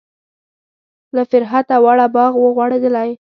له فرحته واړه باغ و غوړیدلی.